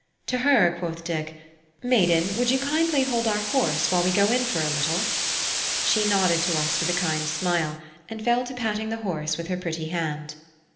To her quoth Dick: "Maiden, would you kindly hold our horse while we go in for a little?" She nodded to us with a kind smile, and fell to patting the horse with her pretty hand.